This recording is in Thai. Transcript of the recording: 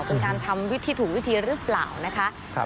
เป็นการทำวิธีถูกวิธีหรือเปล่านะคะ